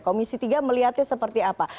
komisi tiga melihatnya seperti apa